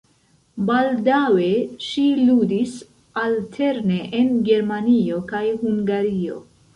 Baldaŭe ŝi ludis alterne en Germanio kaj Hungario.